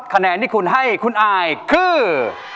คะแนนที่คุณให้คุณอายคือ